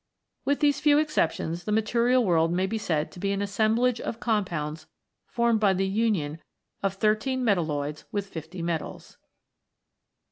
With these few exceptions, the material world may be said to be an assemblage of compounds formed by the union of thirteen metal loids with fifty metals.